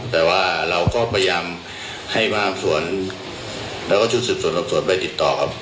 แต่ว่าเราก็พยายามให้บางส่วนแล้วก็ชุดสืบสวนสอบสวนไปติดต่อครับ